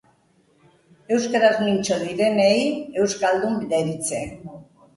Euskaraz mintzo direnei euskaldun deritze